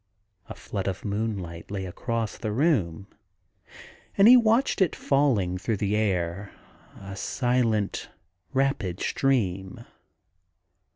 A flood of moonlight lay across the room, and he watched it falling through the air, a silent, rapid stream.